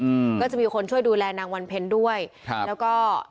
อืมก็จะมีคนช่วยดูแลนางวันเพ็ญด้วยครับแล้วก็